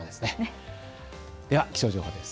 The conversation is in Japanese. では気象情報です。